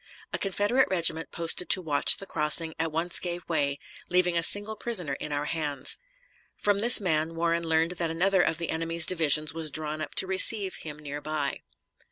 A Confederate regiment posted to watch the crossing at once gave way, leaving a single prisoner in our hands. From this man Warren learned that another of the enemy's divisions was drawn up to receive him near by.